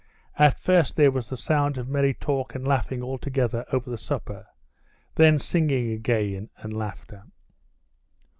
At first there was the sound of merry talk and laughing all together over the supper, then singing again and laughter.